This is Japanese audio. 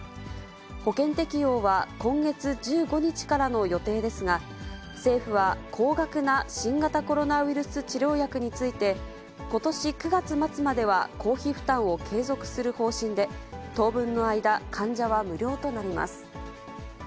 保険適用は今月１５日からの予定ですが、政府は、高額な新型コロナウイルス治療薬について、ことし９月末までは公費負担を継続する方針で、当分の間、患者は無料となります。